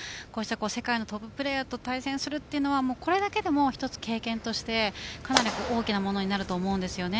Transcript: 世界のトッププレーヤーと対戦するというのはこれだけでも一つ経験としてかなり大きなものになると思うんです。